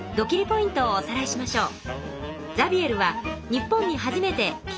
ポイントをおさらいしましょう。